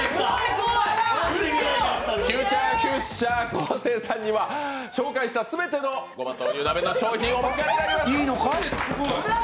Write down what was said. フューチャーフィッシャー昴生さんには紹介した全ての鍋の素をお持ち帰りいただきます。